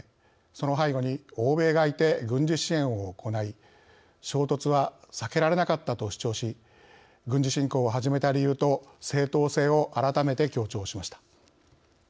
その背後に欧米がいて軍事支援を行い衝突は避けられなかったと主張し軍事侵攻を始めた理由と正当性を改めて強調しました。